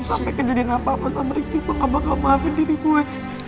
sampai kejadian apa apa sama ripky pak gak bakal maafin diri gue